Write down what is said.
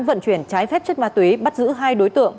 vận chuyển trái phép chất ma túy bắt giữ hai đối tượng